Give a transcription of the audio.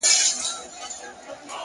هره موخه قرباني غواړي،